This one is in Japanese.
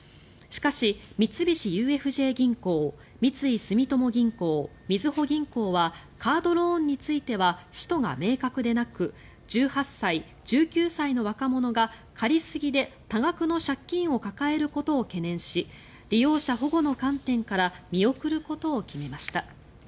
しかし、三菱ＵＦＪ銀行三井住友銀行、みずほ銀行はカードローンについては使途が明確でなく１８歳、１９歳の若者が借りすぎで多額の借金を抱えることを懸念し利用者保護の観点から見送ることを決めました。